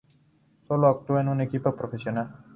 Solo actuó en un equipo profesional.